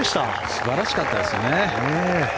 素晴らしかったですね。